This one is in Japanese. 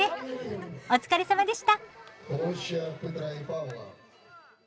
お疲れさまでした。